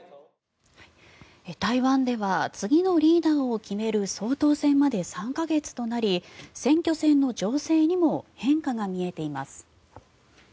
台湾では次のリーダーを決める総統選まで３か月となり選挙戦の情勢にも変化が見えています。